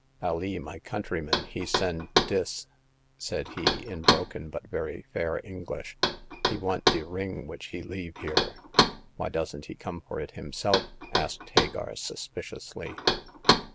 Alee, my countryman, he send dis," said he, in broken but very fair English; he want de ring which he leave here." Why doesn't become for it himself ?" asked Hagar, suspiciously.